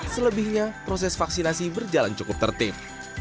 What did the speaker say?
selebihnya proses vaksinasi berjalan cukup tertib